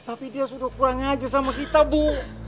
tapi dia sudah kurang aja sama kita bu